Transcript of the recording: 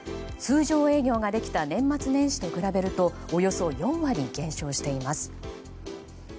通常営業ができた年末年始と比べるとおよそ４割減少しています。